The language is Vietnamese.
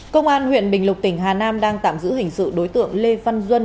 công an huyện bình lục tỉnh hà nam đang tạm giữ hình sự đối tượng lê văn duân